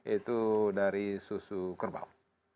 itu dari susu kerbau